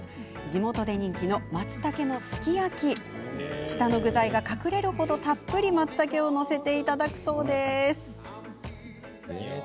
地元で人気のまつたけのすき焼き下の具材が隠れる程たっぷりと、まつたけを載せていただくそうです。